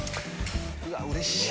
うわうれしいな。